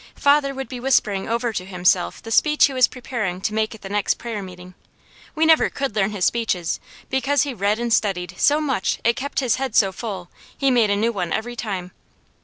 Father would be whispering over to himself the speech he was preparing to make at the next prayer meeting. We never could learn his speeches, because he read and studied so much it kept his head so full, he made a new one every time.